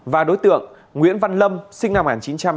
và đối tượng nguyễn văn lâm sinh năm một nghìn chín trăm chín mươi bảy